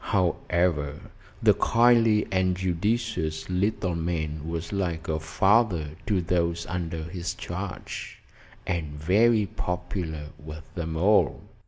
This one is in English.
However, the kindly and judicious little man was like a father to those under his charge, and very popular with them all.